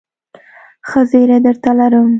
ښه زېری درته لرم ..